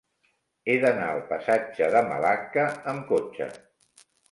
He d'anar al passatge de Malacca amb cotxe.